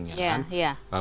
bukti bukti yang dipakai untuk